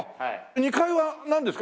２階はなんですか？